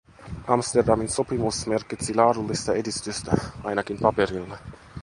Amsterdamin sopimus merkitsi laadullista edistystä, ainakin paperilla.